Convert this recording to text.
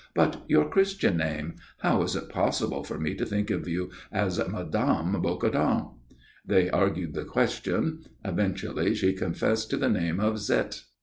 "But your Christian name? How is it possible for me to think of you as Mme. Bocardon?" They argued the question. Eventually she confessed to the name of Zette.